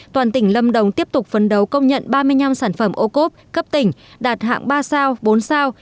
toàn tỉnh lâm đồng tiếp tục phấn đấu công nhận ba mươi năm sản phẩm ô cốp cấp tỉnh đạt hạng ba sao bốn sao